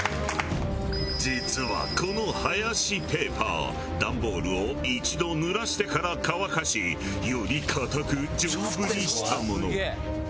実はこの林ペーパーダンボールを一度濡らしてから乾かしより堅く丈夫にしたもの。